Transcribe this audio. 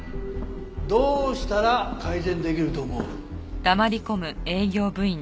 どうしたら改善できると思う？